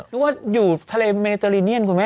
นึกว่าอยู่ทะเลเมเตอริเนียนคุณแม่